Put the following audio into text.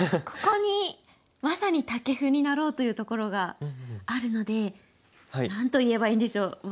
ここにまさにタケフになろうというところがあるので何と言えばいいんでしょう。